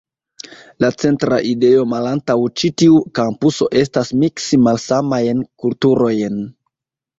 La centra ideo malantaŭ ĉi tiu kampuso estas miksi malsamajn kulturojn.